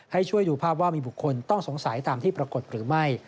ให้ช่วยดูภาพว่ามีบุคคลต้องสงสัยตามที่ปรากฏหรือไม่